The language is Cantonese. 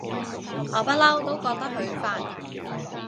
我不嬲都覺得佢煩